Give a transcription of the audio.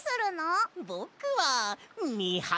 ぼくはみはりさ！